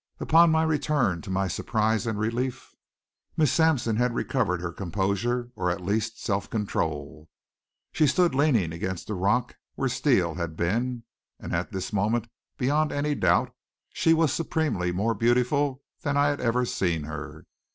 Upon my return, to my surprise and relief, Miss Sampson had recovered her composure, or at least, self control. She stood leaning against the rock where Steele had been, and at this moment, beyond any doubt, she was supremely more beautiful than I had ever seen her.